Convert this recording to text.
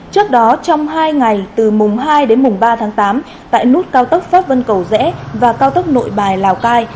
trước đó trong hai ngày từ mùng hai đến mùng ba tháng tám tại nút cao tốc pháp vân cầu rẽ và cao tốc nội bài lào cai